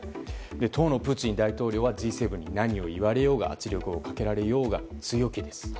当のプーチン大統領はＧ７に何を言われようが圧力をかけられようが強気です。